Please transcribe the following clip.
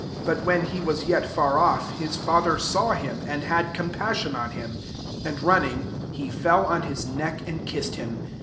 But when he was yet far off, his father saw him, and had compassion on him^ and running, he fell on his neck, and kissed him.